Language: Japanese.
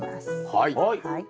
はい。